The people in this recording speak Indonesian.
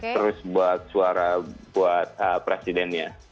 terus buat suara buat presidennya